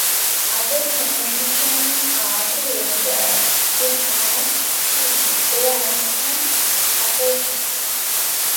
Other conventions are to render it as "t" or as an apostrophe.